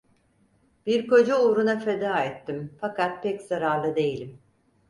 Bir koca uğruna feda ettim, fakat pek zararlı değilim!